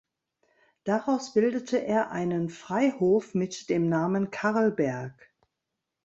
Daraus bildete er einen Freihof mit dem Namen Karlberg.